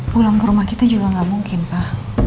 pulang ke rumah kita juga nggak mungkin pak